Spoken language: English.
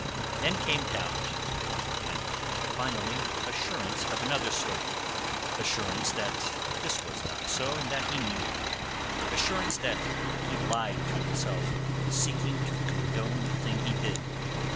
Then came doubt, and, finally, assurance of another sort, assurance that this was not so and that he knew it; assurance that he lied to himself, seeking to condone the thing he did.